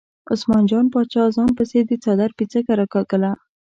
عثمان جان باچا ځان پسې د څادر پیڅکه راکاږله.